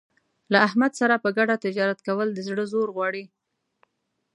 له احمد سره په ګډه تجارت کول د زړه زور غواړي.